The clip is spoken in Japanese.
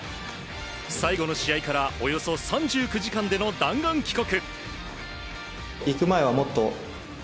最後の試合からおよそ３９時間での弾丸帰国。